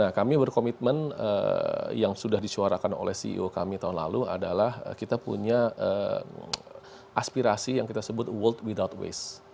nah kami berkomitmen yang sudah disuarakan oleh ceo kami tahun lalu adalah kita punya aspirasi yang kita sebut world without waste